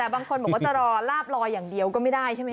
บางคนบอกว่าจะรอลาบลอยอย่างเดียวก็ไม่ได้ใช่ไหม